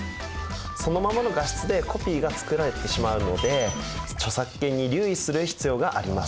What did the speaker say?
そのままの画質でコピーが作られてしまうので著作権に留意する必要があります。